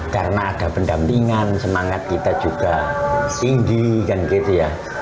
karena ada pendampingan semangat kita juga tinggi kan gitu ya